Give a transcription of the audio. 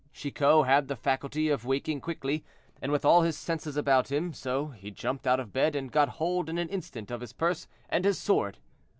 Chicot had the faculty of waking quickly, and with all his senses about him, so he jumped out of bed and got hold in an instant of his purse and his sword.